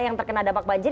yang terkena dampak banjir